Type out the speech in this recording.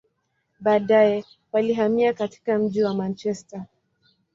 Baadaye, walihamia katika mji wa Manchester.